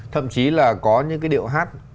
thậm chí là có những cái điệu hát